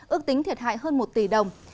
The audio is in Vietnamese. ước tính thiệt hại hơn một tỷ đồng